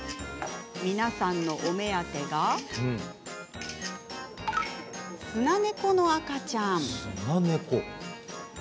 皆さんのお目当てがスナネコの赤ちゃん。